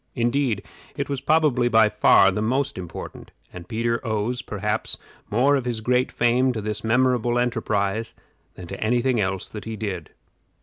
Indeed, it was probably by far the most important, and Peter owes, perhaps, more of his great fame to this memorable enterprise than to any thing else that he did.